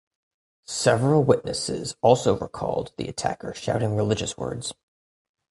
Several witnesses also recalled the attacker shouting religious words.